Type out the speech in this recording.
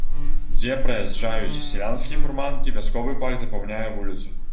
Дзе праязджаюць сялянскія фурманкі, вясковы пах запаўняе вуліцу.